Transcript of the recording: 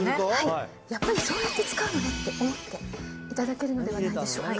やっぱりそうやって使うのねって思っていただけるのではないでしょうか。